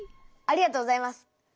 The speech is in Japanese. ありがとうございます。